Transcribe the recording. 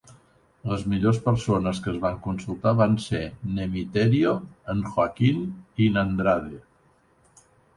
Les millors persones que es van consultar van ser n'Emiterio, en Joaquín i n'Andrade.